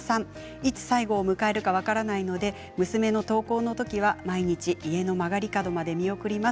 いつ最後を迎えるか分からないので娘の登校のときには毎日家の曲がり角まで見送ります。